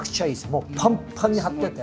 もうパンパンに張ってて。